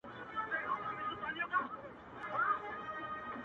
په لېمو کي دي سوال وایه په لېمو یې جوابومه,